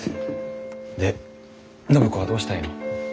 で暢子はどうしたいの？